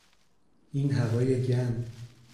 این هوای گند!